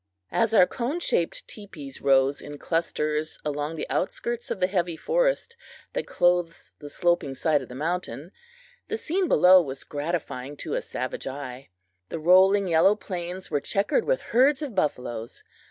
As our cone shaped teepees rose in clusters along the outskirts of the heavy forest that clothes the sloping side of the mountain, the scene below was gratifying to a savage eye. The rolling yellow plains were checkered with herds of buffaloes.